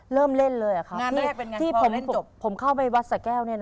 เริ่มเล่นเลยครับที่ผมเข้าไปวัดสะแก้ว